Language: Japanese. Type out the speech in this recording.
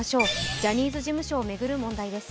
ジャニーズ事務所を巡る問題です。